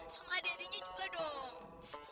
sama adik adiknya juga dong